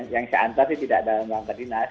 yang saya antar sih tidak dalam langkah dinas